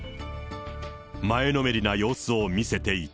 前のめりな様子を見せていた。